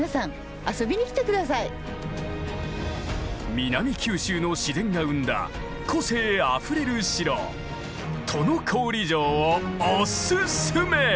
南九州の自然が生んだ個性あふれる城都於郡城をおすすめ！